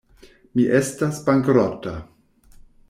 Mi estas bankrota.